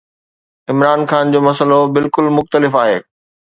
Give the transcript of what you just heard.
عمران خان جو مسئلو بلڪل مختلف آهي.